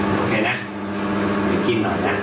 พูดถึงนั่งนี่ถึงนั่งเดี๋ยวยัง